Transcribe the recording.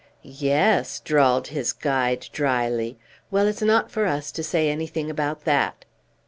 "Ye es," drawled his guide, dryly. "Well, it's not for us to say anything about that."